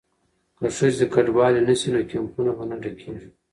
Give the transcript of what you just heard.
که ښځې کډوالې نه شي نو کیمپونه به نه ډکیږي.